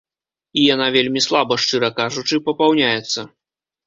І яна вельмі слаба, шчыра кажучы, папаўняецца.